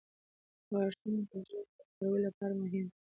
• غاښونه د ژبې د کارولو لپاره مهم دي.